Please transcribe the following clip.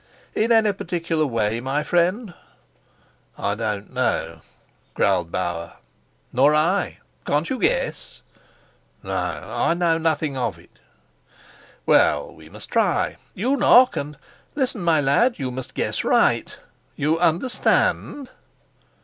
"In any particular way, my friend?" "I don't know," growled Bauer. "Nor I. Can't you guess?" "No, I know nothing of it." "Well, we must try. You knock, and Listen, my lad. You must guess right. You understand?"